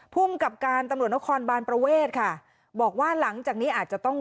ภูมิกับการตำรวจนครบานประเวทค่ะบอกว่าหลังจากนี้อาจจะต้อง